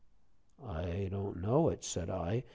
"I don't know it," said I.